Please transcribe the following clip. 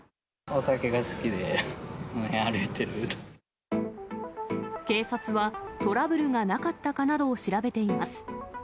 お酒が好きで、警察は、トラブルがなかったかなどを調べています。